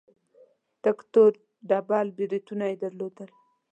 تک تور ډبل برېتونه يې درلودل.